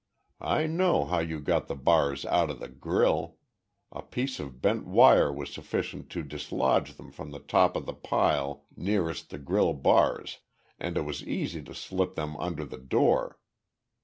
I know how you got the bars out of the grille a piece of bent wire was sufficient to dislodge them from the top of the pile nearest the grille bars and it was easy to slip them under the door.